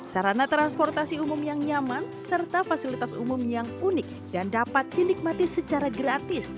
sarana transportasi umum yang nyaman serta fasilitas umum yang unik dan dapat dinikmati secara gratis